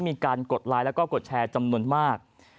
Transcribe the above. มีการกดไลน์และกดแชร์จำนวนมาก